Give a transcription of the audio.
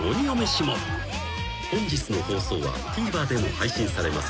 ［本日の放送はＴＶｅｒでも配信されます。